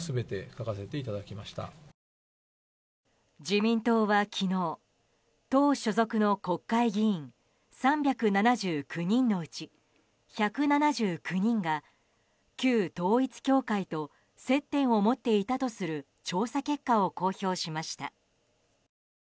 自民党は昨日党所属の国会議員３７９人のうち１７９人が旧統一教会と接点を持っていたとする調査結果を公表しました。